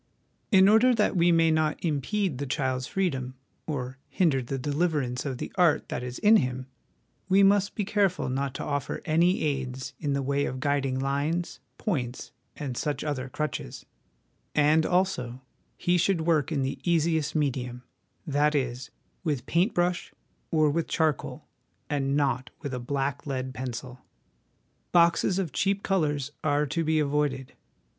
In order that we may not impede the child's freedom or hinder the deliverance of the art that is in him, we must be careful not to offer any aids in the way of guiding lines, points, and such other crutches ; and, also, he should work in the easiest medium, that is, with paint brush or with charcoal, and not with a black lead pencil. Boxes of cheap colours are to be avoided.